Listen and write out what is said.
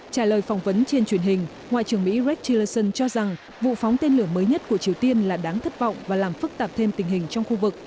trả lời phỏng vấn trên truyền hình ngoại trưởng mỹ rekillson cho rằng vụ phóng tên lửa mới nhất của triều tiên là đáng thất vọng và làm phức tạp thêm tình hình trong khu vực